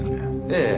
ええ。